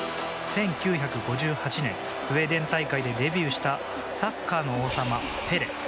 １９５８年スウェーデン大会でデビューしたサッカーの王様、ペレ。